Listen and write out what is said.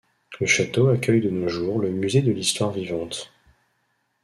Le château accueille de nos jours le Musée de l'Histoire vivante.